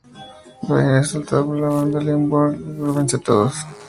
Brian es asaltado por una banda; Limbaugh los enfrenta y los vence a todos.